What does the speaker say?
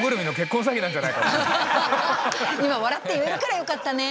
今笑って言えるからよかったね